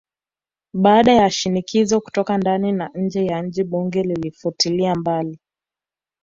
Baada ya shinikizo kutoka ndani na nje ya nchi bunge lilifutilia mbali